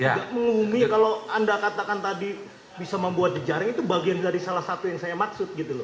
untuk mengumi kalau anda katakan tadi bisa membuat jejaring itu bagian dari salah satu yang saya maksud gitu loh